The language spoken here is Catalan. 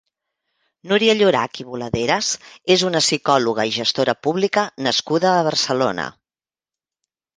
Núria Llorach i Boladeras és una psicòloga i gestora pública nascuda a Barcelona.